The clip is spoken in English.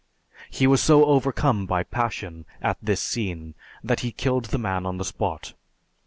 He was so overcome by passion at this scene that he killed the man on the spot.